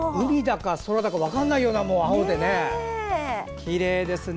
海だか空だか分からないような青できれいですね。